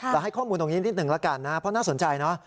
แต่ให้ข้อมูลตรงนี้นิดหนึ่งแล้วกันนะเพราะน่าสนใจเนอะ